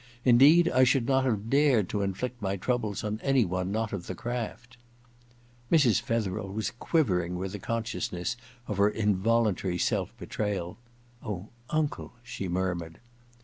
* Indeed, I should not have dared to inflict my troubles on any one not of the craft.' Mrs. Fetherel was quivering with the con sciousness of her involuntary sel^ betrayal. * Oh, uncle !' she murmured.